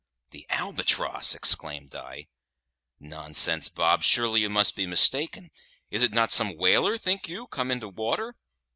"The Albatross!" exclaimed I; "nonsense, Bob; surely you must be mistaken! Is it not some whaler, think you, come in to water!"